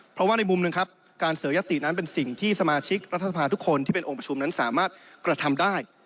เพราะว่าในมุมหนึ่งครับการเสนอยตินั้นเป็นสิ่งที่สมาชิกรัฐสภาทุกคนที่เป็นองค์ประชุมนั้นสามารถกระทำได้